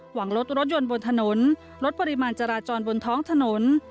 หวังลดรถยนต์บนถนนลดปริมาณจราจรบนท้องถนน